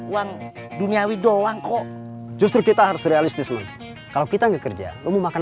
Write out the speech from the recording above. uang duniawi doang kok justru kita harus realistisme kalau kita ngekerja mau makan